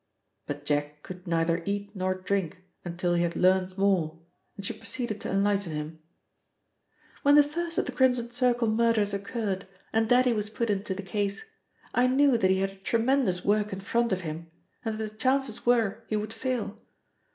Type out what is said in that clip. But Jack could neither eat nor drink until he had learnt more, and she proceeded to enlighten him. "When the first of the Crimson Circle murders occurred and Daddy was put into the case, I knew that he had a tremendous work in front of him and that the chances were he would fail.